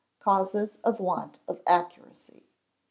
Causes of Want of Accuracy.